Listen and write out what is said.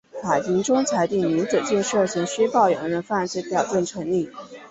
法庭终裁定林子健涉嫌虚报有人犯罪表证成立。